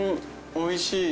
おいしい！